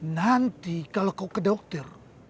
nanti kalau kau ke dokter